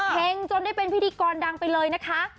จนได้เป็นพิธีกรดังไปเลยนะคะ